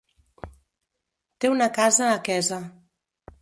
Té una casa a Quesa.